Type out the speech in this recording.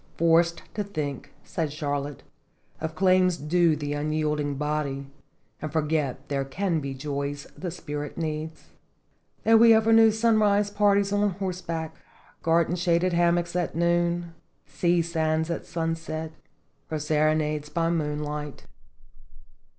"Forced to think," said Charlotte, "of claims due the unyielding body, and forget there can be joys the spirit needs; that we ever knew sunrise parties on horseback, gar den shaded hammocks at noon, sea sands at sunset, or serenades by moonlight."